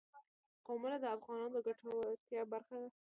قومونه د افغانانو د ګټورتیا برخه ده.